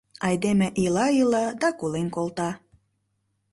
Айдеме ила-ила да колен колта.